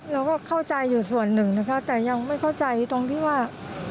เราก็เข้าใจอยู่ส่วนหนึ่งนะคะแต่ยังไม่เข้าใจตรงที่ว่า